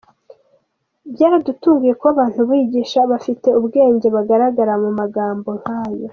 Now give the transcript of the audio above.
Byaradutunguye kuba abantu bigisha, bafite ubwenge bagaragara mu magambo nk’ayo.